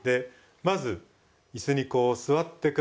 まず椅子にこう座って下さい。